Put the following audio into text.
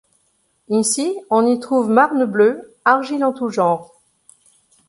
Ici on y trouve marnes bleues, argiles en tout genre.